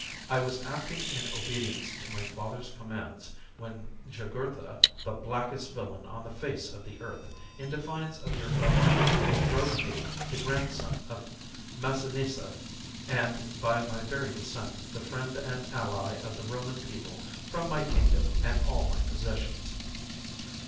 I was acting in obedience to my father's commands when Jugurtha, the blackest villain on the face of the earth, in defiance of your govern ment, drove me, the grandson of Massinissa, and, by my very descent, the friend and ally of the Roman people, from my kingdom and all my possessions.